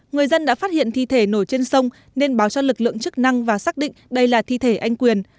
người dân đã phát hiện thi thể nổi trên sông nên báo cho lực lượng chức năng và xác định đây là thi thể anh quyền